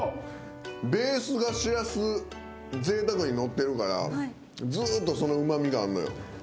ベースがシラスぜいたくにのってるからずっとそのうま味があるのよ。